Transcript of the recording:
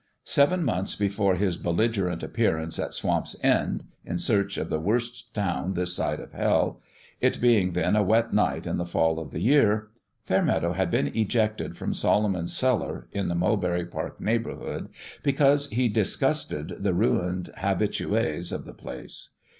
Seven months before his belligerent appear ance at Swamp's End, in search of the worst town this side of hell it being then a wet night in the fall of the year Fairmeadow had been ejected from Solomon's Cellar, in the Mulberry Park neighbourhood, because he disgusted the ruined habitues of the place.